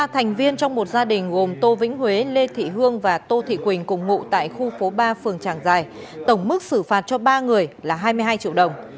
ba thành viên trong một gia đình gồm tô vĩnh huế lê thị hương và tô thị quỳnh cùng ngụ tại khu phố ba phường trảng giải tổng mức xử phạt cho ba người là hai mươi hai triệu đồng